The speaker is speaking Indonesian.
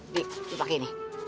dik lu pakai ini